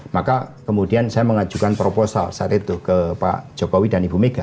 maka kemudian saya mengajukan proposal saat itu ke pak jokowi dan ibu mega